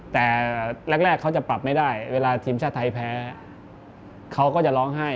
แต่แรกเขาจะปรับไม่ได้เวลาทีมชาติไทยแพ้เขาก็จะร้องไห้